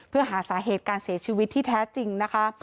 เพื่อหาสาเหตุการเสียชีวิตที่แท้จริงนะคะ